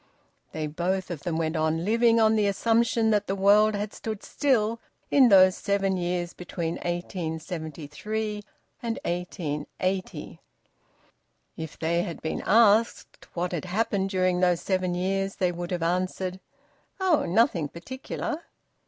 They both of them went on living on the assumption that the world had stood still in those seven years between 1873 and 1880. If they had been asked what had happened during those seven years, they would have answered: "Oh, nothing particular!"